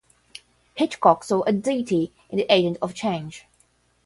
Hitchcock saw a Deity as the agent of change.